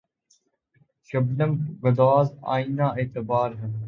شبنم‘ گداز آئنۂ اعتبار ہے